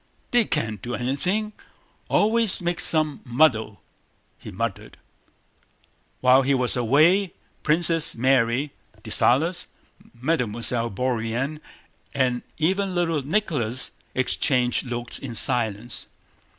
"They can't do anything... always make some muddle," he muttered. While he was away Princess Mary, Dessalles, Mademoiselle Bourienne, and even little Nicholas exchanged looks in silence.